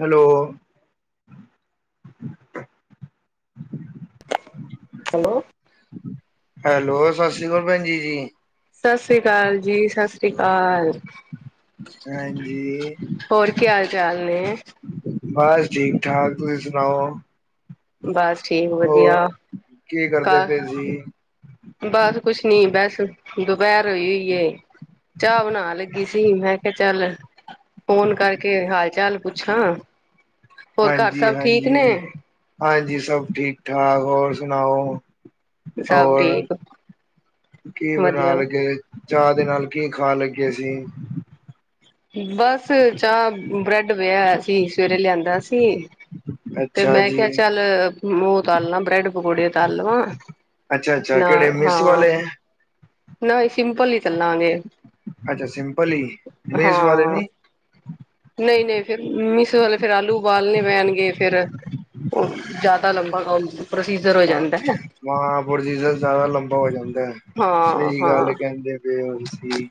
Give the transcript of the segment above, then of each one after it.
Hello hello. Hello ਸਤਿ ਸ਼੍ਰੀ ਅਕਾਲ ਭੈਣਜੀ-ਜੀ‌‌। ਸਤਿ ਸ਼੍ਰੀ ਅਕਾਲ ਜੀ, ਸਤਿ ਸ੍ਰੀ ਅਕਾਲ। ਹਾਂਜੀ। ਹੋਰ ਕੀ ਹਾਲ ਚਾਲ ਨੇ? ਬਸ ਠੀਕ ਠਾਕ। ਤੁਸੀਂ ਸੁਣਾਓ? ਬਸ ਠੀਕ ਵਧੀਆ ਹੋਰ ਕੀ ਕਰਦੇ ਘਰ ਪਏ ਸੀ? ਬਸ ਕੁਛ ਨੀ ਬਸ ਦੁਪਹਿਰ ਹੋਈ-ਹੋਈਏ। ਚਾਹ ਬਣਾਣ ਲੱਗੀ ਸੀ, ਮੈਂ ਕਿਹਾ ਚੱਲ ਫੋਨ ਕਰਕੇ ਹਾਲ ਚਾਲ ਪੁੱਛਾਂ। ਹੋਰ ਘਰ ਹਾਂਜੀ, ਸਭ ਠੀਕ ਹਾਂਜੀ। ਨੇ? ਹਾਂਜੀ ਸਭ ਠੀਕ ਠਾਕ ਹੋਰ ਸੁਣਾਓ। ਸਭ ਹੋਰ ਠੀਕ ਕੀ ਬਣਾਣ ਵਧੀਆ। ਲਗੇ ਚਾਹ ਦੇ ਨਾਲ ਕੀ ਖਾਣ ਲੱਗੇ ਸੀ। ਬਸ ਚਾਹ ਬ੍ਰੈਡ ਲੈ ਆਇਆ ਸੀ, ਸਵੇਰੇ ਲਿਆਂਦਾ ਸੀ। ਤੇ ਅੱਛਾ ਮੈਂ ਜੀ। ਕਿਹਾ ਚੱਲ ਉਹ ਤਾਲ ਲਵਾਂ ਬ੍ਰੈਡ ਪਕੌੜੇ ਤਾਲਵਾਂ। ਅੱਛਾ-ਅੱਛਾ ਕਿਹੜੇ ਮਿਸ ਵਾਲੇ। ਨਹੀਂ ਸਿੰਪਲ ਹੀ ਤਲਾਂਗੇ ਅੱਛਾ ਸਿੰਪਲ ਹੀ ਮੇਸ ਵਾਲੇ ਹਾਂ। ਨੀ ਨਹੀਂ- ਨਹੀਂ ਫੇਰ ਮਿਸ ਵਾਲੇ ਫੇਰ ਆਲੂ ਉਬਾਲਣੇ ਪੈਣਗੇ ਫੇਰ ਜਿਆਦਾ ਲੰਬਾ ਕੰਮ ਪ੍ਰੋਸੀਜਰ ਹੋ ਜਾਂਦਾ ਹੈ। ਹਾਂ ਪ੍ਰੋਸੀਜਰ ਜ਼ਿਆਦਾ ਲੰਬਾ ਹੋ ਜਾਂਦਾ ਹੈ, ਹਾਂ ਸਹੀ ਹਾਂ ਗੱਲ ਕਹਿੰਦੇ ਹੋ। ਪਏ ੳ ਤੁਸੀਂ ਸੀ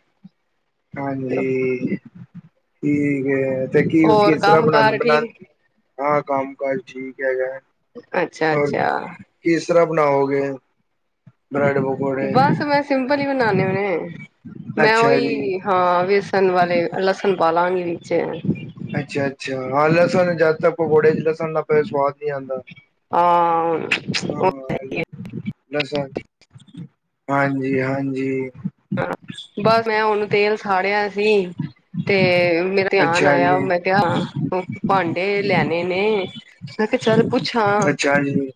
ਹਾਂਜੀ ਠੀਕ ਹੈ। ਕੀ ਹੋਰ ਕਿਸ ਤਰ੍ਹਾਂ ਕੰਮ ਕਾਰ ਬਣਾ-ਬਣਾ। ਠੀਕ ਹਾਂ ਕੰਮ ਕਾਜ ਠੀਕ ਹੈਗਾ। ਹੋਰ ਅੱਛਾ-ਅੱਛਾ। ਕਿਸ ਤਰ੍ਹਾਂ ਬਣਾਓਗੇ ਬ੍ਰੈਡ ਪਕੋ ਬਸ ਮੈਂ ਸਿੰਪਲ ਹੀ ਬਨਾਨੇ ਹੋਨੇ, ਮੈਂ ਅੱਛਾ ਜੀ ਉਹੀ ਹਾਂ ਬੇਸਣ ਵਾਲੇ, ਲਸਣ ਪਾਲਾੱਗੀ ਲੀਚੇ ਹੈ। ਅੱਛਾ-ਅੱਛਾ ਹਾ ਲਸਣ ਜਾਦਾ ਤੱਕ ਕੋਈ ਘੋੜੇ ਚ ਲਸਣ ਦਾ ਪ ਸਵਾਦ ਨਹੀਂ ਆਉਂਦਾ। ਆਾਂਆਮ। ਹਾਂ ਲਸਣ ਹਾਂਜੀ- ਹਾਂਜੀ। ਬਸ ਮੈਂ ਹੁਨ ਤੇਲ ਸਾੜਿਆ ਸੀ। ਤੇ ਮੇਰਾ ਧਿਆਨ ਅੱਛਾ ਆਇਆ ਜੀ ਮੈਂ ਕਿਹਾ ਭਾਂਡੇ ਲੈਣੇ ਨੇ ਮੈਂ ਕਿਹਾ ਚੱਲ ਪੁੱਛਾਂ ਅੱਛਾ ਜੀ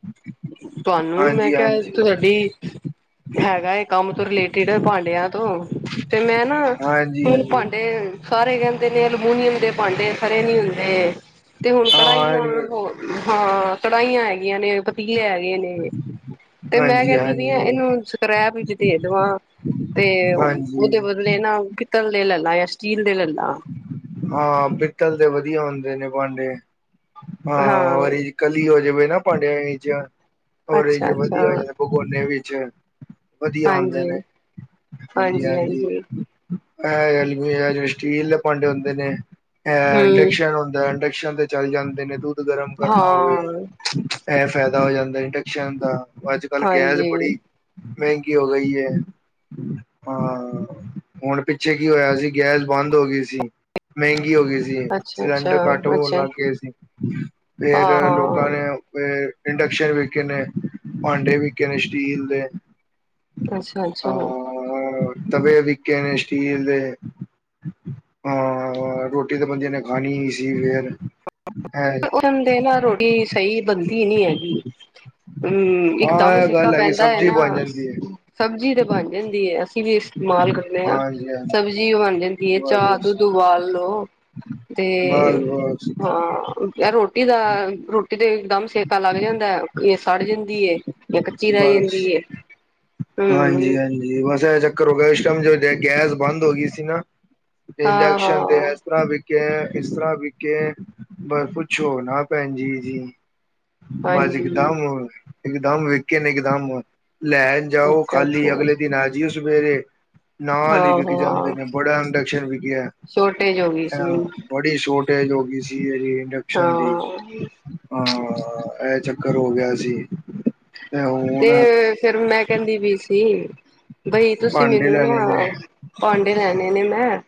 ਤੁਹਾਨੂੰ, ਮੈਂ ਹਾਂਜੀ ਹਾਂਜੀ ਕਿਹਾ ਵੀ ਹੈਗਾ ਏ ਕੰਮ ਉਸ ਤੋਂ ਰਿਲੇਟਿਡ ਭਾਂਡਿਆਂ ਤੋਂ ਤੇ ਮੈਂ ਨਾ ਹਾਂਜੀ ਹੁਨ ਹਾਂਜੀ ਭਾਂਡੇ ਸਾਰੇ ਕੈਂਦੇ ਨੇ ਅਲਮੂਨੀਅਮ ਦੇ ਭਾਂਡੇ ਖਰੇ ਨੀ ਹੁੰਦੇ ਤੇ ਹੁਨ ਕੜਾਈਆਂ ਹਾਂ ਹੋਰ ਹਾਂ, ਕੜਾਈਆਂ ਹੈਗੀਆਂ ਨੇ ਤੀਲੇ ਹੈਗੇ ਨੇ ਤੇ ਮੈਂ ਹਾਂਜੀ ਕੈਂਨੀ ਪਈ ਆਂ ਹਾਂਜੀ ਐਨੂੰ ਹੁਨ ਸਕ੍ਰੈਪ ਵਿੱਚ ਦੇ ਦੇਵਾਂ। ਤੇ ਹਾਂਜੀ ਉਦੇ ਬਦਲੇ ਨਾ ਪਿਤੱਲ ਦੇ ਲੱਲਾਂ ਯਾ ਸਟੀਲ ਦੇ ਲੱਲਾਂ। ਹਾਂ, ਪਿੱਤਲ ਦੇ ਵਦੀਆ ਹੋਂਦੇ ਨੇ ਭਾਂਡੇ, ਹਾਂ ਵਰੀ ਕਲੀ ਹੋ ਜਾਵੇ ਨਾ ਭਾਂਡਿਆਂ ਇਰ ਓਦੇ ਚ ਅੱਛਾ ਅੱਛਾ ਵਦੀਆ ਹੋ ਜਾਂਦੇ ਭਗੋਨੇ ਵਿੱਚ ਵਦੀਆ ਹੋਂਦੇ ਨੇ, ਹਾਂਜੀ ਹਾਂਜੀ ਹਾਂਜੀ-ਹਾਂਜੀ। ਹਾਂਜੀ ਐ ਐਲਮੀ ਐ ਜੇੜੇ ਸਟੀਲ ਦੇ ਭਾਂਡੇ ਹੁੰਦੇ ਨੇ ਐ ਹਮ ਇੰਡਕਸ਼ਨ ਹੁੰਦੈ, ਇੰਡਕਸ਼ਨ ਤੇ ਚੱਲ ਜਾਂਦੇ ਨੇ ਦੁੱਦ ਗਰਮ ਕਰਨਾ ਹੋਵੇ ਹਾਂ ਐ ਫੈਦਾ ਹੋ ਜਾਂਦੈ ਇੰਡਕਸ਼ਨ ਦਾ ਅੱਜ-ਕੱਲ ਗੈਸ ਹਾਂਜੀ ਬੜੀ ਮੈਂਗੀ ਹੋ ਗਈ ਐ, ਹਾਂ ਹੁਣ ਪਿੱਛੇ ਕੀ ਹੋਇਆ ਸੀ ਗੈਸ ਬੰਦ ਹੋ ਗਈ ਸੀ ਮੈਂਗੀ ਹੋ ਗਈ ਸ ਤੇ ਅੱਛਾ-ਅੱਛਾ, ਸਿਲੰਡਰ ਘੱਟ ਹੋਨ ਅੱਛਾ ਲੱਗ ਗਏ ਸੀ, ਫੇਰ ਲੋਕਾਂ ਹਾਂ-ਹਾਂ, ਨੇ ਆ ਇੰਡਕਸ਼ਨ ਵਿਕੇ ਨੇ, ਭਾਂਡੇ ਵਿਕੇ ਨੇ ਸਟੀਲ ਦੇ। ਅੱਛਾ-ਅੱਛਾ। ਹੋਰ ਤਵੇ ਵਿਕੇ ਨੇ ਸਟੀਲ ਦੇ, ਹਾਂ ਅ ਰੋਟੀ ਤੇ ਬੰਦੇਆਂ ਨੇ ਖਾਨੀ ਈ ਸੀ ਫੇਰ ਹੈਂ ਓਂਦੇ ਨਾਲ ਰੋਟੀ ਸਈ ਬਨਦੀ ਨਈ ਹੈਗੀ। ਹੰ, ਇੱਕ ਦਮ ਹਾਂ ਇਹ ਸੇਕਾ ਗੱਲ ਹੈਗੀ ਪੈਂਦਾ ਐ ਸਬਜ਼ੀ ਬਣ ਨਾ, ਜਾਂਦੀ ਹੈ ਸਬਜੀ ਤੇ ਬਣ ਜਾਂਦੀ ਏ। ਅਸੀ ਵੀ ਇਸਤੇਮਾਲ ਕਰਨੇ ਆਂ, ਹਾਂਜੀ ਹਾਂਜੀ ਸਬਜ਼ੀ ਬਨ ਜਾਂਦੀ ਏ, ਚਾ ਬਸ ਦੁੱਦ ਉਬਾਲ ਲੋ। ਤੇ ਬਸ ਬਸ ਹਾਂ, ਐ ਰੋਟੀ ਦਾ ਰੋਟੀ ਤੇ ਦੱਮ ਸੇਕਾ ਲੱਗ ਜਾਂਦੈ, ਏ ਸੜ ਜਾਂਦੀ ਏ ਯਾ ਕੱਚੀ ਰੇ ਜਾਂਦੀ ਏ। ਹਾਂਜੀ-ਹਾਂਜੀ, ਬਸ ਐ ਚੱਕਰ ਹੋ ਗਿਆ। ਇਸ ਟਾਈਮ ਜਦ ਗੈਸ ਬੰਦ ਹੋ ਗਈ ਸੀ ਨਾ ਤੇ ਇੰਡਕਸ਼ਨ ਤੇ ਹਾਂ-ਹਾਂ। ਐਸ ਤਰ੍ਹਾਂ ਵਿਕ ਕੈ ਇਸ ਤਰ੍ਹਾਂ ਵਿਕੈ ਬਸ ਪੁੱਛੋ ਨਾ ਭੈਨਜੀ ਜੀ। ਬਸ ਹਾਂਜੀ, ਇੱਕਦੱਮ ਇੱਕਦੱਮ ਵਿਕੇ ਨੇ ਇਕਦਮ ਲੈ ਜਾਓ ਖਾਲੀ ਅੱਛਾ-ਅੱਛਾ, ਅਗਲੇ ਦਿਨ ਆ ਜਈਓ ਸਵੇਰੇ। ਨਾਲ ਈ ਵਿਕ ਜਾਂਦੇ ਹਾਂ-ਹਾਂ। ਨੇ, ਬੜਾ ਇੰਡਕਸ਼ਨ ਵਿਕਿਐ। ਸ਼ੋਰਟੇਜ ਹੋ ਗਈ ਸੀ ਹਾਂ, ਬੜੀ ਸੋਰਟੇਜ ਹੋ ਗਈ ਸੀ ਏਦੀ ਇੰਡਕਸ਼ਨ ਦੀ। ਹਾਂ ਹਾਂ, ਐ ਚੱਕਰ ਹੋ ਗਿਆ ਸੀ। ਤੇ ਤੇ ਹੁਣ ਫੇਰ ਮੈਂ ਕੈਂਦੀ ਪਈ ਸੀ ਬਈ ਤੁਸੀਂ ਭਾਂਡੇ ਮੈਨੂੰ ਲੈਣੇ ਨਾ ਨੇ ਭਾਂਡੇ ਲੈਨੇ ਨੇ ਮੈਂ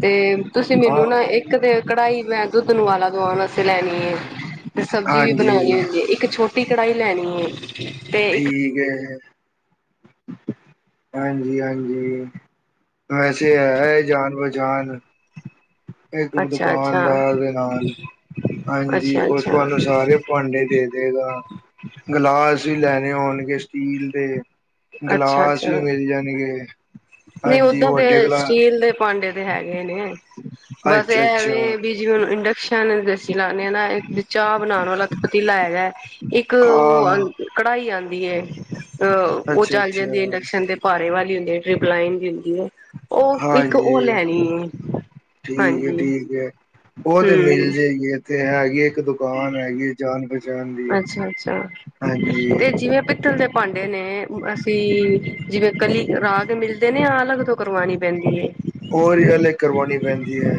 ਤੇ ਤੁਸੀਂ ਹਾਂ ਮੈਨੂੰ ਨਾ, ਇੱਕ ਤੇ ਕੜਾਈ ਮੈਂ ਦੁੱਦ ਨੂੰ ਉਬਾਲਾ ਦਵਾਣ ਵਾਸਤੇ ਲੈਣੀ ਏ। ਤੇ ਸਬਜੀ ਵੀ ਬਣਾਨੀ ਹਾਂਜੀ ਹੁੰਦੀ ਏ। ਇੱਕ ਛੋਟੀ ਕੜਾਈ ਲੈਣੀ ਏ। ਠੀਕ ਏ, ਹਾਂਜੀ-ਹਾਂਜੀ। ਵੈਸੇ ਹੈ ਜਾਨ-ਪਹਚਾਨ ਇੱਕ ਅੱਛਾ ਅੱਛਾ ਦੁਕਾਨਦਾਰ ਦੇ ਨਾਲ ਹਾਂਜੀ ਅੱਛਾ ਉਸ ਅੱਛਾ ਤੁਹਾਨੂੰ ਸਾਰੇ ਭਾਂਡੇ ਦੇ ਦੇਗਾ। ਗਲਾਸ ਵੀ ਲੈਣੇ ਹੋਣਗੇ ਸਟੀਲ ਦੇ ਅੱਛਾ ਗਲਾਸ ਵੀ ਅੱਛਾ ਮਿਲ ਜਾਨਗੇ। ਨਹੀਂ ਓਦਾਂ ਤੇ ਸਟੀਲ ਦੇ ਭਾਂਡੇ ਤੇ ਹੈਗੇ ਨੇ। ਬਸ ਅੱਛਾ ਐ ਵੇ ਅੱਛਾ ਵੀ ਜਿਵੇਂ ਹੁਨ ਇੰਡਕਸ਼ਨ ਜਲਾਨੇ ਆਂ ਨਾ, ਇੱਕ ਬੀ ਚਾਅ ਬਨਾਨ ਵਾਲਾ ਤੇ ਪਤੀਲਾ ਹੈਗੈ ਇੱਕ ਓ ਹਾਂ ਕੜਾਈ ਆਂਦੀ ਐ, ਉਹ ਚੱਲ ਅੱਛਾ-ਅੱਛਾ ਜਾਂਦੀ ਏ ਇੰਡਕਸ਼ਨ ਤੇ ਪਾਰੇ ਵਾਲੀ ਹੁੰਦੀ ਹੇ [unintelligible] ਐ, ਉਹ ਇੱਕ ਉਹ ਹਾਂਜੀ ਲੈਣੀ ਏ, ਠੀਕ ਹੈ ਹਾਂਜੀ। ਠੀਕ ਹੈ। ਉਹ ਤੇ ਮਿਲ ਹੂੰ। ਜਾਏਗੀ ਇਥੇ ਹੈਗੀ ਇੱਕ ਦੁ ਦੁਕਾਨ ਹੈਗੀ ਜਾਣ ਪਹਚਾਣ ਦੀ, ਅੱਛਾ-ਅੱਛਾ ਤੇ ਹਾਂਜੀ। ਜਿਵੇਂ ਪਿੱਤਲ ਦੇ ਭਾਂਡੇ ਨੇ ਅਸੀਂ ਜਿਵੇਂ ਕਲੀ ਕਰਾ ਕੇ ਮਿਲਦੇ ਨੇ ਯਾ ਅਲੱਗ ਤੋਂ ਕਰਵਾਣੀ ਪੈਂਦੀ ਐ? ਹੋਰ ਅਲੱਗ ਕਰਵਾਣੀ ਪੈਂਦੀ ਐ।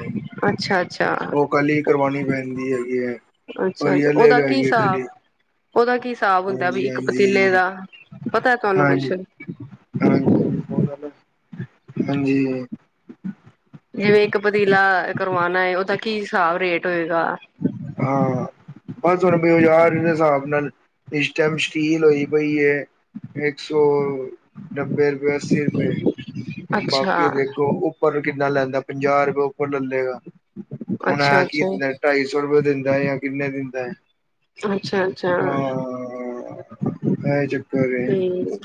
ਅੱਛਾ-ਅੱਛਾ, ਉਹ ਕੱਲੀ ਕਰਵਾਣੀ ਪੈਂਦੀ ਹੈਗੀ ਐ। ਅੱਛਾ-ਅੱਛਾ, ਉਹਦਾ ਕੀ ਸਾਬ? ਉਹਦਾ ਕੀ ਸਾਬ ਹੁੰਦਾ ਬਈ ਇੱਕ ਪਤੀਲੇ ਹਾਂਜੀ-ਹਾਂਜੀ ਦਾ, ਪਤਾ ਤੁਹਾਨੂੰ ਕੁਛ? [unintelligible] ਹਾਂਜੀ। ਜਿਵੇਂ ਇੱਕ ਪਤੀਲਾ ਕਰਵਾਣਾ ਏ, ਉਹਦਾ ਕੀ ਸਾਬ ਰੇਟ ਹੋਏਗਾ? ਹਾਂ, ਬਸ [unintelligible] ਬਜ਼ਾਰ ਦੇ ਹਿਸਾਬ ਨਾਲ ਇਸ ਟਾਈਮ ਸਟੀਲ ਹੋਈ ਪਈ ਏ ਇੱਕ ਸੌ ਨਬ੍ਬੇ ਅੱਸੀ ਰੁਪਏ, ਅੱਛਾ ਬਾਕੀ ਦੇਖੋ ਉੱਪ ਉੱਪਰ ਕਿੰਨਾ ਲੈਂਦਾ ਪੰਜਾਹ ਰੁਪਏ ਉੱਪਰ ਲੈ ਲੇਗਾ, ਹੁੱਣ ਅੱਛਾ ਐ ਕਿ ਅੱਛਾ ਢਾਈ ਸੌ ਰੁਪਏ ਦਿੰਦਾ ਯਾ ਕਿੰਨੇ ਦਿੰਦਾ ਐ, ਅੱਛਾ ਅੱਛਾ ਹਾਂ। ਇਹ ਚੱਕਰ ਏ। ਠੀਕ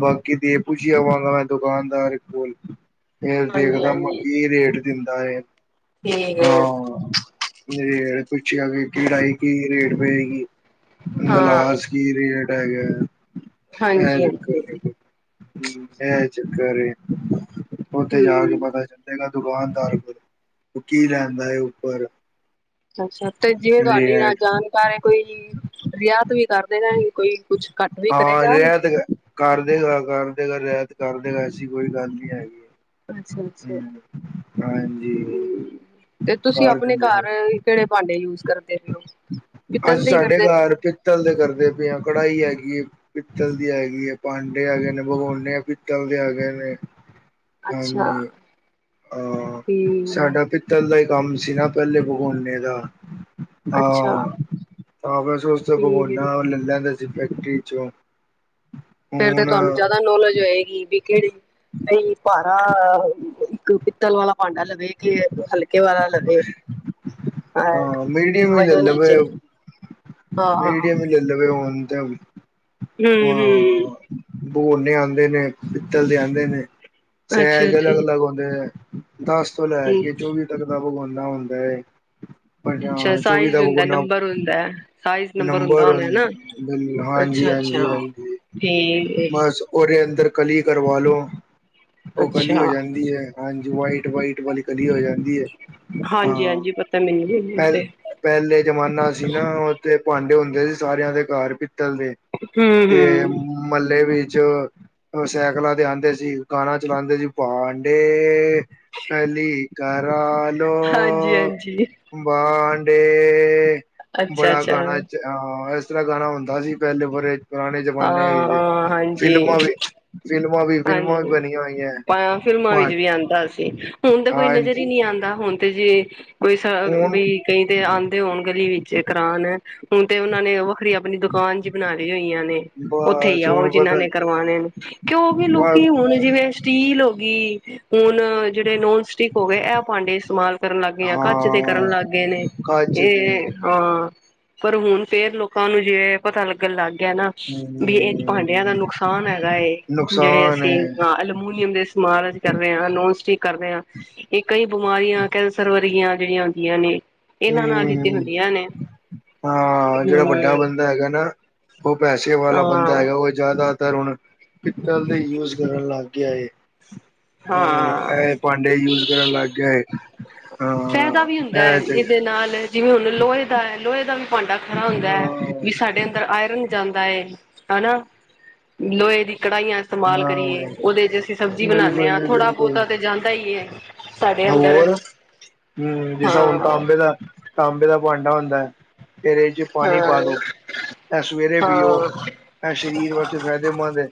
ਬਾਕੀ ਦੇ ਪੁਛ ਆਵਾਂਗਾ ਮੈਂ ਦੁਕਾਨਦਾਰ ਕੋਲ। ਫੇਰ ਹਾਂਜੀ ਦੇਖਦਾ ਮੈਂ ਹਾਂਜੀ ਕੀ ਰੇਟ ਦਿੰਦਾ ਐ, ਠੀਕ ਹੈ ਹਾਂ। ਰੇਟ ਪੁੱਛਿਆ ਕਿ ਕਿਹੜਾਈ ਕੀ ਰੇਟ ਪਏਗੀ, ਹਾਂ ਗਲਾਸ ਕੀ ਰੇਟ ਹੈਗਾ ਇਹ ਹਾਂਜੀ ਹਾਂਜੀ ਚੱਕਰ ਏ ਹੁੰ, ਇਹ ਚੱਕਰ ਏ ਉੱਥੇ ਜਾ ਕੇ ਹਮ ਪਤਾ ਚੱਲ [unintelligible] ਦੁਕਾਨਦਾਰ ਕੋ, ਕੀ ਲੈਂਦਾ ਐ ਉੱਪਰ। ਅੱਛਾ ਤੇ ਜਿਵੇਂ ਤੁਹਾਡੀ ਰੇਟ ਜਾਣਕਾਰੀ ਕੋਈ ਰਿਆਤ ਵੀ ਕਰਦੇ ਰ ਕੋਈ। ਕੁਛ ਘੱਟ ਵੀ ਹਾਂ, ਕਰੇਗਾ ਰਿਆਤ ਕਰ ਦੇਗਾ ਕਰ ਦੇਗਾ ਰਿਆਤ ਕਰ ਦੇਗਾ ਐਸੀ ਕੋਈ ਗੱਲ ਨੀ ਹੈਗੀ। ਅੱਛਾ-ਅੱਛਾ, ਹਾਂਜੀ ਹੁੰ। ਤੇ ਤੁਸੀਂ ਆਪਣੇ ਦਿੰਦੇ ਨੇ ਕਰ ਕਿਹੜੇ ਭਾਂਡੇ ਯੂਜ ਕਰਦੇ ਪਏ ਹੋ, ਪਿੱਤਲ ਦੈ ਈ ਕਰਦੇ ਪਏ ਊ। ਪਿਤਲ ਦੈ ਕਰਦੇ ਪਏ ਆਂ, ਕਢਾਾਈ ਹੈਗੀ ਏ। ਪਿੱਤਲ ਦੀ ਹੈਗੀ ਐ, ਪਾਂਡੇ ਹੈਗੇ ਨੇ ਭਗੋਨੇ ਪਿੱਤਲ ਦੇ ਹੈਗੇ ਨੇ। ਅੱਛਾ ਅਹ ਠੀਕ ਹੈ ਸਾਡਾ ਪਿ ਤਲ ਦਾ ਈ ਕੰਮ ਸੀ ਨਾ ਪਹਿਲੇ ਪਕੋਨੇ ਦਾ। ਅੱਛਾ ਹਾਂ, ਫੇਰ [unintelligible] ਠੀਕ ਹੈ ਜੀ ਪਗੋਣਾ ਲੈ ਲੈਂਦੇ ਫੈਕਟਰੀ ਚੋਂ। ਫੇਰ ਤੇ ਹੁਣ ਤੁਹਾਨੂੰ ਜਿਆਦਾ ਨੌਲੇਜ ਹੋਏਗੀ ਵੀ ਕਿਹੜੇ ਨਹੀਂ ਭਾਰਾ ਇੱਕ ਪਿੱਤਲ ਵਾਲਾ ਭਾਂਡਾ ਲਵੇ ਕੇ ਹਲਕੇ ਵਾਲਾ ਲਵੇ। ਹਾਂ, ਮੀਡੀਅਮ ਹੀ ਲੈ ਵਜੋਂ ਲਵੇ ਨੀਚੇ, ਹਾਂ। ਮੀਡੀਅਮ ਹੀ ਲੈ ਲਵੇ ਹੁਣ ਤੇ, ਹੂੰ ਹੂੰ ਹਾਂ। ਬੋਨੇ ਆਂਦੇ ਨੇ ਪਿੱਤਲ ਦੇ ਆਂਦੇ ਨੇ, ਅੱਛਾ ਸੈਜ ਅੱਛਾ ਅਲੱਗ ਅਲੱਗ ਹ ਦਸ ਤੋਂ ਲੈ ਹੂੰ ਕੇ ਚੌਵੀ ਤੱਕ ਦਾ ਪਗੋਣਾ ਹੁੰਦਾ ਏ। ਅੱਛਾ [unintelligible] ਚੌਵੀ ਸਾਈਜ਼ ਦਾ ਹੁੰਦਾ ਬਗੋਣਾ ਹੁੰਦਾ ਨੰਬਰ ਐ। ਨੰਬਰ ਵਨ, ਹਾਂਜੀ, ਅੱਛਾ ਅੱਛਾ ਹਾਂਜੀ, ਹਾਂਜੀ, ਠੀਕ ਏ ਬਸ। ਉਹਦੇ ਅੰਦਰ ਕਲੀ ਕਰਵਾ ਲੋ ਉਹ ਕਲੀ ਹੋ ਅੱਛਾ ਜਾਂਦੀ ਐ, ਹਾਂਜੀ, ਵਾਈਟ ਵਾਈਟ ਵਾਲੀ ਕਲੀ ਹੋ ਜਾਂਦੀ ਐ, ਹਾਂਜੀ ਹਾਂ ਹਾਂਜੀ ਪਤਾ ਮੈਨੂੰ ਵੀ ਤੇ ਪੇਲ ਪਹਿਲੇ ਜਮਾਨਾ ਸੀ ਨਾ, ਉਥੇ ਭਾਂਡੇ ਹੁੰਦੇ ਸੀ ਸਾਰਿਆਂ ਦੇ ਘਰ ਪਿੱਤਲ ਦੇ। ਹੂੰ ਤੇ ਹੂੰ ਮਹੱਲੇ ਵਿੱਚ ਸੈਕਲਾਂ ਤੇ ਆਉਂਦੇ ਸੀ, ਗਾਣਾ ਚਲਾਉਂਦੇ ਸੀ, ਭਾਂਡੇ ਕਲੀ ਕਰਾਲੋ ਹਾਂਜੀ ਹਾਂਜੀ ਭਾਂਡੇ। ਬੜਾ ਅੱਛਾ-ਅੱਛਾ, ਗਾਣਾ ਚ ਆ, ਏਸ ਤਰ੍ਹਾਂ ਗਾਣਾ ਹੁੰਦਾ ਸੀ ਪਹਿਲੇ ਬੜੇ ਪੁਰਾਣੇ ਜਮਾਨੇ ਵੀ ਜੇ, ਹਾਂ ਹਾਂਜੀ, ਫਿਲਮਾਂ ਵੀ ਫਿਲਮਾਂ ਵੀ, ਫਿਲਮਾਂ ਵੀ ਹਾਂਜੀ। ਬਣੀਆਂ ਹੋਈਆਂ ਐ, ਫਿਲਮਾਂ ਭਾਂ ਵਿੱਚ ਵੀ ਆਂਦਾ ਸੀ, ਹੁਣ ਤੇ ਕੋਈ ਨਜ਼ਰ ਹੀ ਨਹੀਂ ਆਉਂਦਾ, ਹੁਣ ਤੇ ਜੇ ਕੋਈ ਸ ਹੁਣ ਵੀ ਕਈ ਤੇ ਆਉਂਦੇ ਹੋਣ ਗਲੀ ਵਿੱਚ ਕਰਾਉਣ। ਹੁਣ ਤੇ ਉਹਨਾਂ ਨੇ ਵੱਖਰੀ ਆਪਣੀ ਦੁਕਾਨ ਜੀ ਬਣਾ ਲਈ ਹੋਈਆਂ ਨੇ। ਉੱਥੇ ਹੀ ਬਸ ਆਓ ਹੁਣ ਜਿਹਨਾਂ ਨੇ ਕਰਵਾਣੇ ਨੇ, ਕਿਉ ਉਹ ਵੀ ਲੋਕੀ ਪਤਾ ਹੁਣ ਜਿਵੇਂ ਸਟੀਲ ਹੋ ਗਈ ਹੁਣ ਜਿਹੜੇ ਨੋਨ-ਸਟਿਕ ਹੋ ਗਏ, ਇਹ ਭਾਂਡੇ ਇਸਤੇਮਾਲ ਕਰਨ ਲੱਗ ਗਏ ਆ, ਕੱਚ ਦੇ ਕਰਨ ਹਾਂ ਲੱਗ ਗਏ ਨੇ, ਕੱਚ ਦੇ ਇਹ ਹਾਂ, ਪਰ ਹੁਣ ਫੇਰ ਲੋਕਾਂ ਨੂੰ ਜੇ ਪਤਾ ਲੱਗਣ ਲੱਗ ਗਿਆ ਨਾ ਵੀ ਇਹ ਭਾਂਡਿਆਂ ਦਾ ਹਮ ਨੁਕਸਾਨ ਹੈਗਾ ਏ, ਜਿਹੜੇ ਨੁਕਸਾਨ ਹੈ ਅਸੀਂ ਅਲਮਮੀਨੀਅਮ ਦੇ ਅਸੀ ਇਸਤੇਮਾਲ ਕਰ ਰਹੇ ਹਾਂ, ਨੋਨ-ਸਟਿਕ ਕਰਦੇ ਹਾਂ ਇਹ ਕਈ ਬਿਮਾਰੀਆਂ ਕੈਂਸਰ ਵਰਗੀਆਂ ਜਿਹੜੀਆਂ ਹੁੰਦੀਆਂ ਨੇ ਇਹਨਾਂ ਨਾਲ ਹੀ ਤੇ ਹਮ ਹੁੰਦੀਆਂ ਨੇ। ਹਾਂ, ਜਿਹੜਾ ਹੂੰ ਵੱਡਾ ਬੰਦਾ ਹੈਗਾ ਨਾ, ਉਹ ਪੈਸੇ ਵਾਲਾ ਬੰਦਾ ਹਾਂ ਹੈਗਾ, ਉਹ ਜ਼ਿਆਦਾਤਰ ਹੁਣ ਪਿੱਤਲ ਦੇ ਯੂਜ ਕਰਨ ਲੱਗ ਗਿਆ ਏ। ਹਾਂ, ਇਹ ਭਾਂਡੇ ਯੂਜ ਕਰਨ ਲੱਗ ਗਿਆ ਹੈ। ਫਾਇਦਾ ਵੀ ਹੁੰਦਾ ਐ ਇਹਦੇ ਨਾਲ, ਜਿਵੇਂ ਹੁਣ ਲੋਹੇ ਦਾ ਐ, ਲੋਹੇ ਦਾ ਭਾਂਡਾ ਖਰਾ ਹੁੰਦਾ ਐ, ਹਾਂ ਵੀ ਸਾਡੇ ਅੰਦਰ ਆਇਰਨ ਜਾਂਦਾ ਏ ਹਨਾ? ਲੋਹੇ ਦੀ ਕੜਾਹੀਆਂ ਇਸਤੇਮਾਲ ਕਰੀਏ, ਹਾਂ ਉਹਦੇ 'ਚ ਅਸੀਂ ਸਬਜ਼ੀ ਬਣਾਉਂਦੇ ਬਿਲਕੁਲ ਹਾਂ, ਜੀ ਬਿਲਕੁਲ ਥੋੜਾ-ਬਹੁਤਾ ਤੇ ਜਾਂਦਾ ਈ ਏ ਪਰਦੇ ਅੰਦਰ। ਹੋਰ ਹਮ! ਜਿਸਾ ਹੁਣ ਹਾਂ ਤਾਂਬੇ ਦਾ ਤਾਂਬੇ ਦਾ ਭਾਂਡਾ ਹੁੰਦਾ ਐ, ਏਦੇ 'ਚ ਪਾਣੀ ਹਾਂ ਪਾ ਦੋ। ਇਹ ਸਵੇਰੇ ਹਾਂ ਪੀਓ, ਇਹ ਸ਼ਰੀਰ ਵਾਸਤੇ ਫਾਇਦੇਮੰਦ ਹੈ।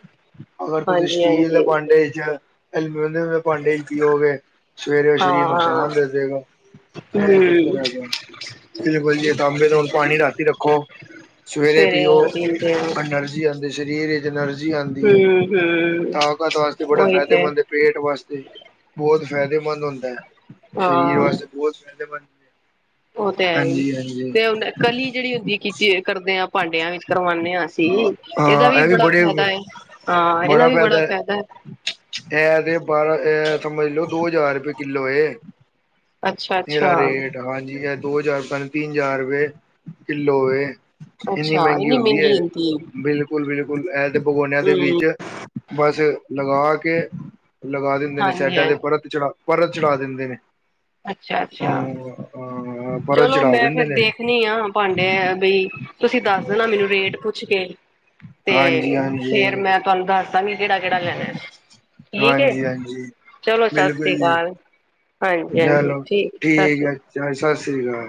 ਅਗਰ ਤੁਸੀਂ ਹਾਂਜੀ ਸਟੀਲ ਦੇ ਹਾਂਜੀ ਭਾਂਡੇ 'ਚ, ਅਲਮੀਨੀਅਮ ਦੇ ਭਾਂਡੇ 'ਚ ਪੀਓਗੇ ਸਵੇਰੇ ਉਹ ਹਾਂ ਸ਼ਰੀਰ ਹਾਂ ਨੁਕਸਾਨ ਦੇ ਦੇਗਾ, ਐ ਚੱਕਰ ਹਮ ਹੈਗਾ। ਬਿਲਕੁਲ ਜੀ! ਤਾਂਬੇ ਦਾ ਹੁਣ ਪਾਣੀ ਰਾਤੀਂ ਰੱਖੋ, ਸਵੇਰੇ ਪੀਓ, ਆ ਪੀਂਦੇ ਆ ਅੰਡਰ ਐਨਰਜੀ ਆਉਂਦੀ ਸ਼ਰੀਰ ਵਿੱਚ, ਐਨਰਜੀ ਆਉਂਦੀ ਹੈ, ਹਮ ਹਮ ਤਾਕਤ ਵਾਸਤੇ ਬੜਾ ਉਹੀ ਤੇ ਫਾਇਦੇਮੰਦ ਏ! ਪੇਟ ਵਾਸਤੇ ਬਹੁਤ ਫਾਇਦੇਮੰਦ ਹੁੰਦਾ ਹੈ। ਸ਼ਰੀਰ ਹਾਂ ਵਾਸਤੇ ਬਹੁਤ ਫਾਇਦੇਮੰਦ ਉਹ ਤੇ ਹੈ ਈ, ਹਾਂਜੀ ਹਾਂਜੀ ਤੇ ਹੁਣ ਐ ਕਲੀ ਜਿਹੜੀ ਹੁੰਦੀ ਕੀ ਏ ਕਰਦੇ ਹਾਂ, ਭਾਂਡਿਆਂ ਵਿੱਚ ਕਰਵਾਉਣੇ ਆਂ ਅਸੀਂ ਇਹਦਾ ਵੀ ਹਾਂ ਇਹ ਬੜਾ ਬੜੇ ਫ਼ਾਇਦਾ ਐ! ਹਾਂ! ਇਹਦਾ ਵੀ ਬੜਾ ਫਾਇਦਾ ਹੈ ਫ਼ਾਇਦਾ ਐ। ਇਹ ਤੇ ਬਾਰਾਂ ਅਅ ਸਮਝ ਲੋਓ ਦੋ ਹਜ਼ਾਰ ਰੁਪਏ ਕਿੱਲੋ ਏ। ਅੱਛਾ ਅੱਛਾ ਏਦਾਂ ਰੇਟ--ਹਾਂਜੀ, ਇਹ ਦੋ ਹਜ਼ਾਰ-ਤਿੰਨ ਹਜ਼ਾਰ ਰੁਪਏ ਕਿੱਲੋ ਏ। ਇੰਨੀ ਮਹਿੰਗੀ ਹੁੰਦੀ ਐ ਇਹ, ਬਿਲਕੁ ਬਿਲਕੁਲ! ਬਿਲਕੁਲ! ਇਹ ਤੇ ਭਗੋਨਿਆਂ ਦੇ ਹਮ ਵਿੱਚ ਬਸ ਲਗਾ ਕੇ‌ ਲਗਾ ਦਿੰਦੇ ਨੇ ਹਾਂਜੀ ਸੈਡਾਂ 'ਤੇ, ਹਾਂਜੀ ਪਰਤ ਚੜਾ ਪਰਤ ਚੜ੍ਹਾ ਦਿੰਦੇ ਨੇ। ਅੱਛਾ! ਅੱਛਾ! ਹਾਂ ਪਰਤ ਚਲੋ, ਚੜਾ ਮੈਂ ਦਿੰਦੇ ਫੇਰ ਨੇ ਦੇਖਣੀ ਆ ਭਾਂਡੇ ਵਈ ਤੁਸੀਂ ਦੱਸ ਦੇਣਾ ਮੈਨੂੰ ਰੇਟ ਪੁੱਛ ਕੇ। ਤੇ ਹਾਂਜੀ-ਹਾਂਜੀ, ਫੇਰ ਮੈਂ ਤੁਹਾਨੂੰ ਦੱਸਦਾਂਗੀ ਕਿਹੜਾ-ਕਿਹੜਾ ਲੈਣਾ। ਠੀਕ ਐ! ਹਾਂਜੀ-ਹਾਂਜੀ ਚਲੋ, ਸਤਿ ਬਿਲਕੁਲ ਸ੍ਰੀ ਜੀ ਅਕਾਲ, ਹਾਂਜੀ! ਹਾਂਜੀ! ਹਾਂਜੀ! ਠੀਕ, ਸਤਿ ਸ਼੍ਰੀ ਅਕਾ ਜਾ ਸਤਿ ਸ਼੍ਰੀ ਅਕਾਲ!